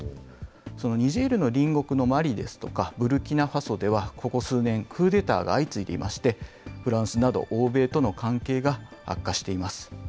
そのニジェールの隣国のマリですとか、ブルキナファソでは、ここ数年、クーデターが相次いでいまして、フランスなど欧米との関係が悪化しています。